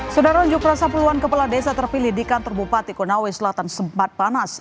saudara unjuk rasa puluhan kepala desa terpilih di kantor bupati konawe selatan sempat panas